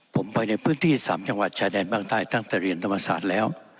ผมไปในพื้นที่๓จังหวัดชายแดนบ้างใต้ตั้งแต่เรียนธรรมศาสตร์แล้ว